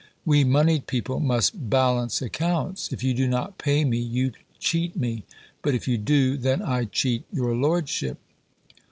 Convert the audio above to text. We moneyed people must balance accounts: if you do not pay me, you cheat me; but, if you do, then I cheat your lordship."